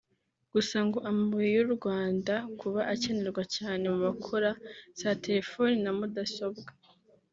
Gusa ngo amabuye y’u Rwanda kuba akenerwa cyane mu bakora za telefoni na mudasobwa